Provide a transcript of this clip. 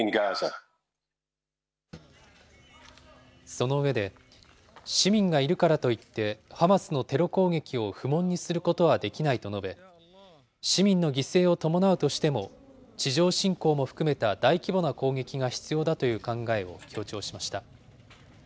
その上で、市民がいるからといってハマスのテロ攻撃を不問にすることはできないと述べ、市民の犠牲を伴うとしても、地上侵攻も含めた大規模な攻撃が必要だという考えを強調しました。